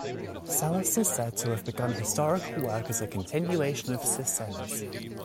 Sallust is said to have begun historical work as a continuation of Sisenna's.